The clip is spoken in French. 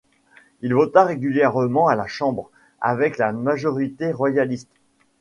Il vota régulièrement à la Chambre, avec la majorité royaliste.